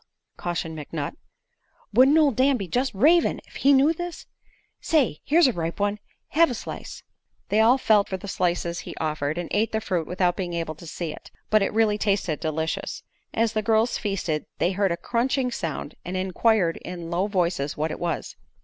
cautioned McNutt. "Wouldn't ol' Dan be jest ravin' ef he knew this? Say here's a ripe one. Hev a slice." They all felt for the slices he offered and ate the fruit without being able to see it. But it really tasted delicious. As the girls feasted they heard a crunching sound and inquired in low voices what it was.